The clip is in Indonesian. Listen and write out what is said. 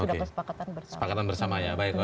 itu sudah kesepakatan bersama